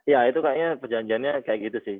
ya itu kayaknya perjanjiannya kayak gitu sih